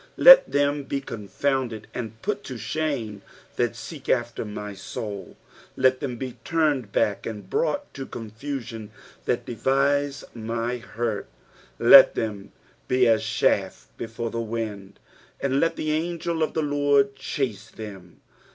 4 Let them be confounded and put to shame that seek after my soul : let them be turned back and brought to confusion that devise my hurt. 5 Let them be as chaff before the wind : and let the angel of the Lord chase them.